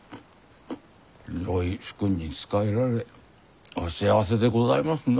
よい主君に仕えられお幸せでございますな。